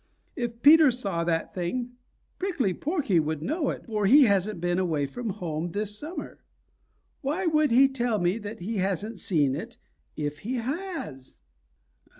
If Peter saw that thing, Prickly Porky would know it, for he hasn't been away from home this summer. Why would he tell me that he hasn't seen it if he has?"